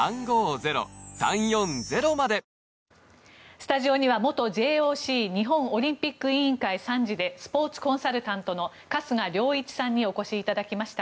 スタジオには元ＪＯＣ・日本オリンピック委員会参事でスポーツコンサルタントの春日良一さんにお越しいただきました。